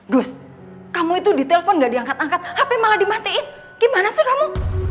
gus kamu itu ditelepon gak diangkat angkat hp malah dimatiin gimana sih kamu